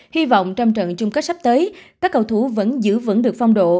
hy vọng trong trận chung kết sắp tới các cầu thủ vẫn giữ vững được phong độ